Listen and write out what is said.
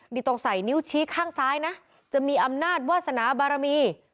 นี่ต้องใส่นิ้วชี้ข้างซ้ายนะจะมีอำนาจวาสนาบารมี